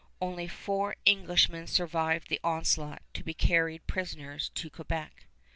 Only four Englishmen survived the onslaught, to be carried prisoners to Quebec.